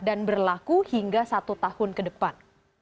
dan berlaku hingga satu tahun ke depan